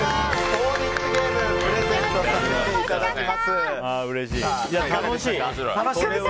ポールヒットゲームをプレゼントさせていただきます。